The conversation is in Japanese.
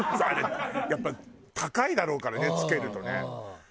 あれやっぱ高いだろうからね付けるとね。